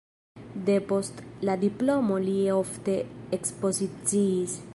Depost la diplomo li ofte ekspoziciis.